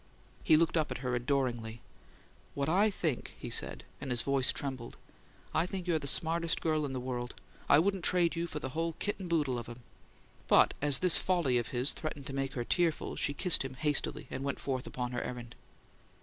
He looked up at her adoringly. "What I think," he said, and his voice trembled; "I think you're the smartest girl in the world! I wouldn't trade you for the whole kit and boodle of 'em!" But as this folly of his threatened to make her tearful, she kissed him hastily, and went forth upon her errand.